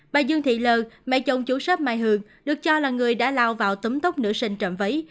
bà dương thị lờ mẹ chồng chủ sốc mai hường được cho là người đã lao vào tấm tóc nữ sinh trộm váy